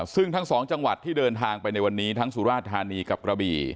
ซึ่งทั้งสองจังหวัดที่เดินทางไปในวันนี้ทั้งสุราธานีกับกระบี่